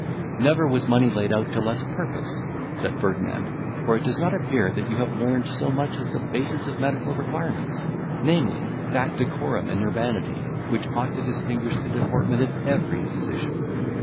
"Never was money laid out to less purpose," said Ferdinand; "for it does not appear that you have learned so much as the basis of medical requirements, namely, that decorum and urbanity which ought to distinguish the deportment of every physician.